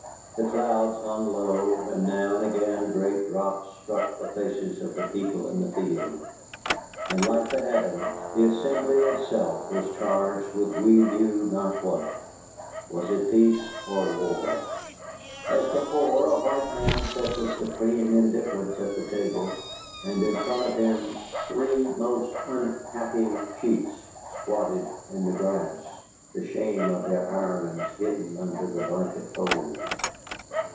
The clouds hung low, and now and again great drops struck the faces of the people in the field. And like the heavens, the assembly itself was charged with we knew not what. Was it peace or war? As before, a white man sat with supreme indifference at a table, and in front of him three most unhappy chiefs squatted in the grass, the shame of their irons hidden under the blanket folds.